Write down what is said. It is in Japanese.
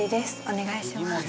お願いします